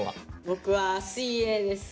僕は水泳です。